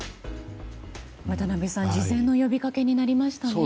渡辺さん事前の呼びかけになりましたね。